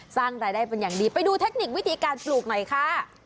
สร้างรายได้เป็นอย่างดีไปดูเทคนิควิธีการปลูกหน่อยค่ะ